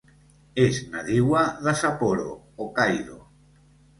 És nadiua de Sapporo, Hokkaido.